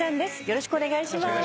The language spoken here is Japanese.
よろしくお願いします。